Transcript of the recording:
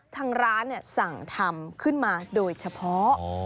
ทางร้านสั่งทำขึ้นมาโดยเฉพาะ